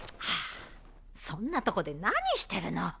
はあそんなとこで何してるの？